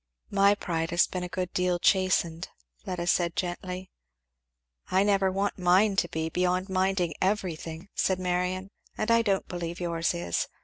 "My pride has been a good deal chastened," Fleda said gently. "I never want mine to be, beyond minding everything," said Marion; "and I don't believe yours is.